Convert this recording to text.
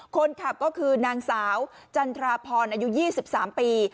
คนขับก็คือนางสาวจันทราพรอายุ๒๓ปี